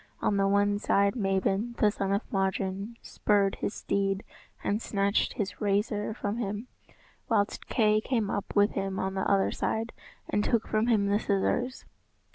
On the one side, Mabon, the son of Modron, spurred his steed and snatched his razor from him, whilst Kay came up with him on the other side and took from him the scissors.